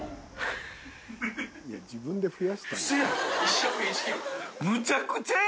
い自分で増やしたんや。